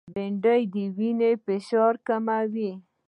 بېنډۍ د وینې فشار کموي